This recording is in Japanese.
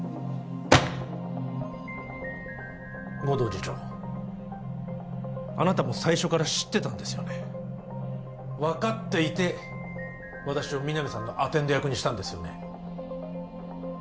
護道次長あなたも最初から知ってたんですよね分かっていて私を皆実さんのアテンド役にしたんですよね